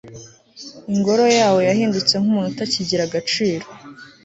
ingoro yawo yahindutse nk'umuntu utakigira agaciro